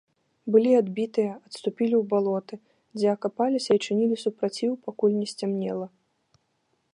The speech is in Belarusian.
Былі адбітыя, адступілі ў балоты, дзе акапаліся і чынілі супраціў, пакуль не сцямнела.